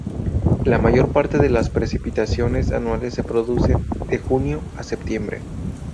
La mayor parte de las precipitaciones anuales se producen de junio a septiembre.